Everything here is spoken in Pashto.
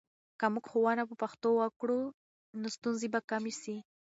که موږ ښوونه په پښتو وکړو، نو ستونزې به کمې سي.